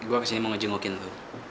gue kesini mau ngejengokin lo